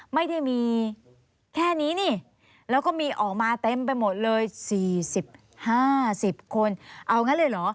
ไม่ได้มีแค่นี้นี่แล้วก็มีออกมาเต็มไปหมดเลย๔๐๕๐คนเอางั้นเลยเหรอ